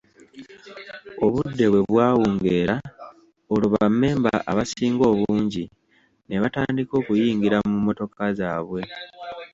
Obudde bwe bwawungeera olwo bammemba abasinga obungi ne batandika okuyingira mu mmotoka zaabwe.